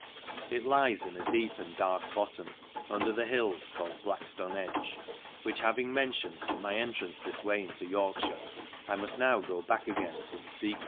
It lies in a deep and I dark bottom, under the hills called Blackjlone Edge ; which having mentioned, at my entrance this way into Torkjh'ire, I muft now go back again to the fea 286 LANCASHIRE.